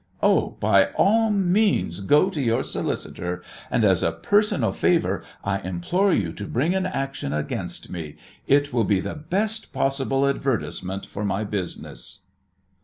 Oh, by all means go to your solicitor, and as a personal favour I implore you to bring an action against me. It would be the best possible advertisement for my business."